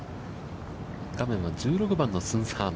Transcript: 画面は１６番のスンス・ハン。